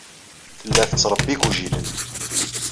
Tella tettṛebbi igujilen.